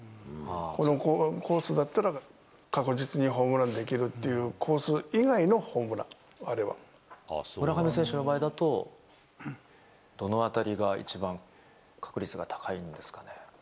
このコースだったら、確実にホームランできるっていうコース以外村上選手の場合だと、どのあたりが一番確率が高いんですかね。